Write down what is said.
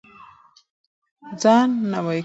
ځان نوی کړئ.